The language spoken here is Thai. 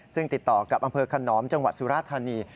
ซึ่งติดต่อกับอำเภอขนอมจังหวัดสุราธานี